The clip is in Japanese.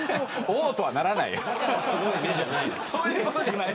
おお、とはならないよ。